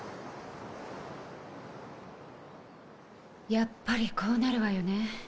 やっぱりこうなるわよね。